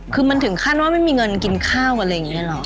คือมันถึงขั้นว่าไม่มีเงินกินข้าวอะไรอย่างนี้เลยหรอก